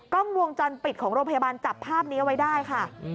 กล้องวงจรปิดของโรงพยาบาลจับภาพนี้เอาไว้ได้ค่ะ